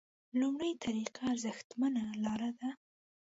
لومړۍ طریقه ارزښتمنه لاره ده.